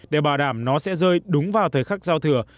để bảo đảm nó sẽ rơi đúng vào thời khắc giao thừa